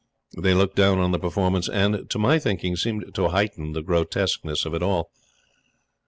They looked down on the performance, and, to my thinking, seemed to heighten the grotesqueness of it all.